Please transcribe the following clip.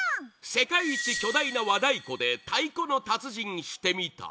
「世界一巨大な和太鼓で太鼓の達人してみた」